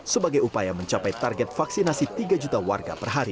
sebagai upaya mencapai target vaksinasi tiga juta warga per hari